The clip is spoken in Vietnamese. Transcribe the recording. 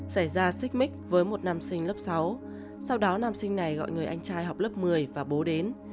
xảy ra xích mích với một nam sinh lớp sáu sau đó nam sinh này gọi người anh trai học lớp một mươi và bố đến